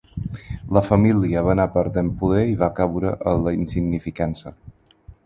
La família va anar perdent poder i va caure en la insignificança.